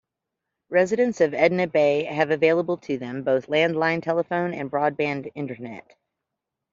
Residents of Edna Bay have available to them both land-line telephone and broadband internet.